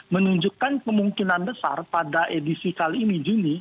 menunjukkan kemungkinan besar pada edisi kali ini juni